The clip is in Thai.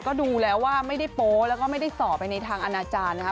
ก็ดูแล้วว่าไม่ได้โป๊แล้วก็ไม่ได้ส่อไปในทางอนาจารย์นะคะ